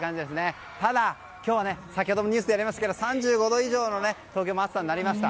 ただ、今日は先ほどもニュースでやりましたが３５度以上の東京も暑さになりました。